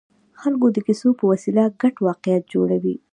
خلک د کیسو په وسیله ګډ واقعیت جوړوي.